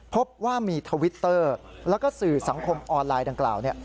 พบว่ามีทวิตเตอร์แล้วก็สื่อสังคมออนไลน์ดังกล่าว